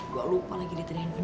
gak lupa lagi di tni infinity silent